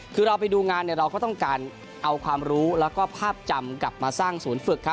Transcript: คือเราไปดูงานเราก็ต้องการเอาความรู้แล้วก็ภาพจำกลับมาสร้างศูนย์ฝึก